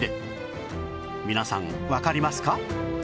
皆さんわかりますか？